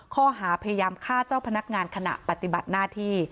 ข้อหาพยายามฆ่าเจ้าพนักงานขณะปฏิบัติหน้าที่